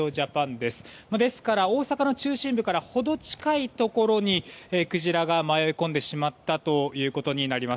ですから、大阪の中心部から程近いところにクジラが迷い込んでしまったということになります。